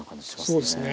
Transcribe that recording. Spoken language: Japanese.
そうですね。